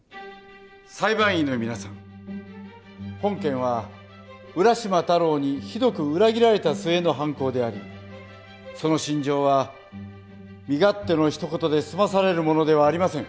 裁判員の皆さん本件は浦島太郎にひどく裏切られた末の犯行でありその心情は身勝手のひと言で済まされるものではありません。